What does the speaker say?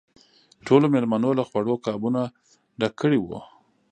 ټولو مېلمنو له خوړو قابونه ډک کړي وو.